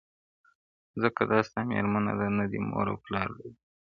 • ځکه دا ستا مېرمن نه ده نه دي مور او پلار درګوري,